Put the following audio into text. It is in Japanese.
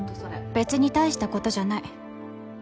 べつに大したことじゃない